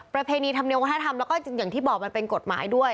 ประเพณีธรรมเนียวัฒนธรรมแล้วก็อย่างที่บอกมันเป็นกฎหมายด้วย